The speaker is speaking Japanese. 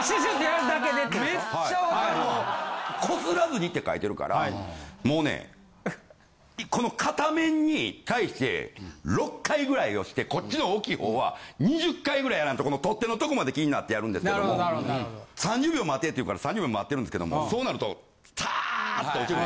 こすらずにって書いてるからもうねこの片面に対して６回ぐらい押してこっちの大きい方は２０回ぐらいやらんとこの取っ手のとこまで気になってやるんですけども３０秒待てって言うから３０秒待ってるんですけどもそうなるとターッと落ちる。